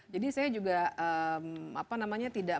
jadi saya juga apa namanya tidak